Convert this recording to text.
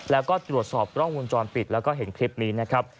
แล้วก็ตรวจสอบกล้องวงจรปิดแล้วก็เห็นคลิปนี้นะครับ